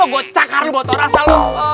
gua cakar lu bau terasa lu